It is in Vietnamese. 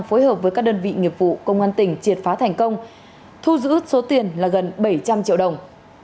phối hợp với các đơn vị nghiệp vụ công an tỉnh triệt phá thành công thu giữ số tiền là gần bảy trăm linh triệu đồng